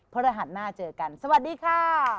พระรหัสหน้าเจอกันสวัสดีค่ะ